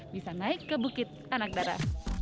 bisa naik ke bukit anak darah